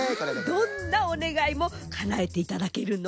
どんなおねがいもかなえていただけるの？